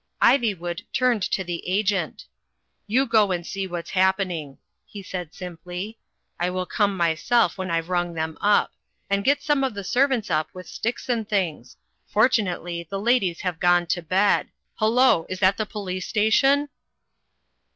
Iv3rwood turned to the agent. "You go and see what's happening," he said simply. "I will come my self when I've rung them up. And get some of the servants up with sticks and things. Fortunately the ladies have gone to bed. Hullo! Is that the Police Station?"